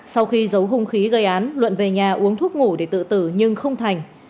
sau khi giấu hung khí gây án luận về nhà uống thuốc ngủ để tự tử nhưng không thành